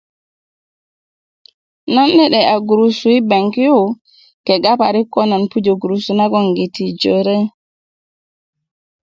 nan 'de'de'ya girusu yi beŋ yu kegga parik ko nan a pujö gurusu jore